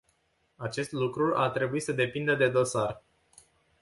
Acest lucru ar trebui să depindă de dosar.